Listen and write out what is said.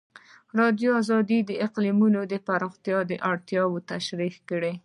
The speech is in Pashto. ازادي راډیو د اقلیتونه د پراختیا اړتیاوې تشریح کړي.